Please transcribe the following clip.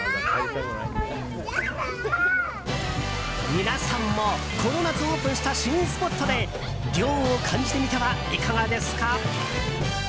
皆さんもこの夏オープンした新スポットで涼を感じてみてはいかがですか？